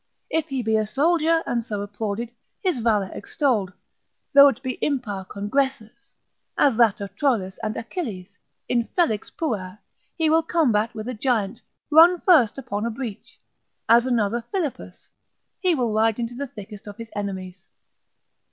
If he be a soldier, and so applauded, his valour extolled, though it be impar congressus, as that of Troilus and Achilles, Infelix puer, he will combat with a giant, run first upon a breach, as another Philippus, he will ride into the thickest of his enemies.